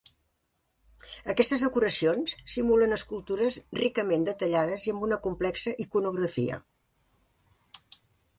Aquestes decoracions simulen escultures ricament detallades i amb una complexa iconografia.